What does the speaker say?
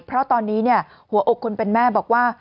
เพราะตอนนี้หัวอกคนเป็นแม่บอกว่า